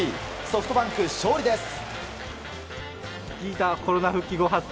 ソフトバンク、勝利です。